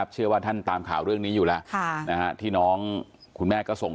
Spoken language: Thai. เชื่อว่าท่านตามข่าวเรื่องนี้อยู่แล้วที่น้องคุณแม่ก็ส่ง